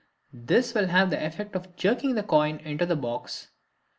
This will have the effect of jerking the coin into the box.